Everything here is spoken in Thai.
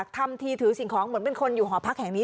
ทำทีถือสิ่งของเหมือนเป็นคนอยู่หอพักแห่งนี้